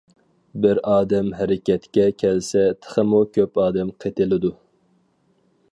بىر ئادەم ھەرىكەتكە كەلسە تېخىمۇ كۆپ ئادەم قېتىلىدۇ.